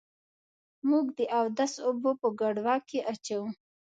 موږ د اودس اوبه په ګډوه کي اچوو.